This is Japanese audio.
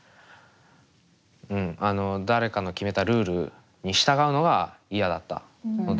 あの誰かの決めたルールに従うのが嫌だったので。